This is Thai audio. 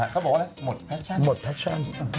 เขาบอกว่าอะไรหมดแพชชั่น